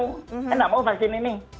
saya tidak mau vaksin ini